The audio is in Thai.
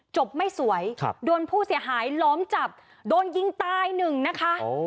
ไม่สวยโดนผู้เสียหายล้อมจับโดนยิงตายหนึ่งนะคะ